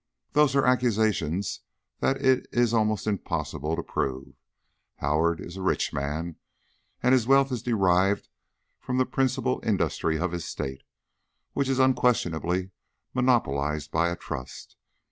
"Those are accusations that it is almost impossible to prove. Howard is a rich man, and his wealth is derived from the principal industry of his State, which is unquestionably monopolized by a Trust.